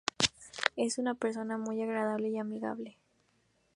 Es una persona muy agradable y amigable.